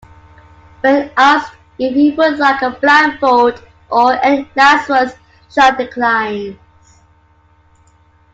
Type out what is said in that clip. When asked if he would like a blindfold or any last words, Jacques declines.